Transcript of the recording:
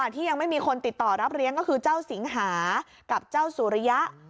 ที่ยังไม่มีคนติดต่อรับเลี้ยงก็คือเจ้าสิงหากับเจ้าสุริยะ